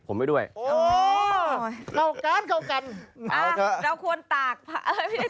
ผมไว้ด้วยโอ้โหเก่ากันเก่ากันเอาเถอะเราควรตากอะไร